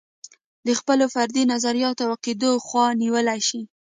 د خپلو فردي نظریاتو او عقدو خوا نیولی شي.